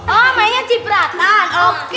oh mainnya cipratan oke